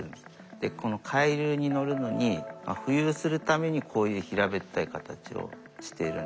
でこの海流に乗るのに浮遊するためにこういう平べったい形をしているんだと考えられてます。